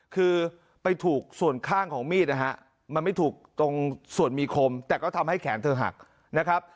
คือไปถูกส่วนข้างของมีดนะฮะมันไม่ถูกตรงส่วนมีคมแต่ก็ทำให้แขนเธอหักนะครับ